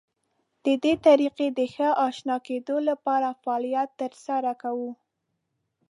د دې طریقې د ښه اشنا کېدو لپاره فعالیت تر سره کوو.